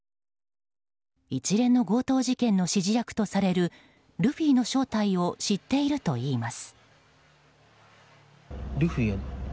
一連の強盗事件の指示役とされるルフィの正体を知っているといいます。